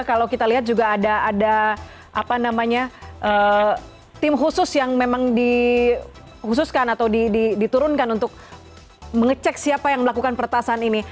kalau kita lihat juga ada apa namanya tim khusus yang memang di khususkan atau diturunkan untuk mengecek siapa yang melakukan pertahanan ini